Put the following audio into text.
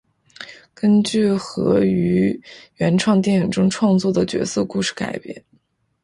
根据和于原创电影中创作的角色故事改编。